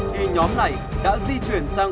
thì nhóm này đã di chuyển sang